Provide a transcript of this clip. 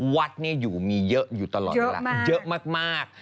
วัดอยู่มีเยอะอยู่ตลอดเวลาเยอะมาก